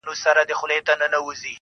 خبره دا ده چې چا خلک په تيارو ساتلي